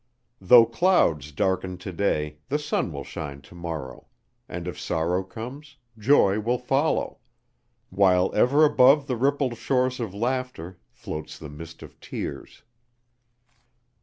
Though clouds darken to day, the sun will shine to morrow; and if sorrow comes, joy will follow; while ever above the rippled shores of laughter floats the mist of tears.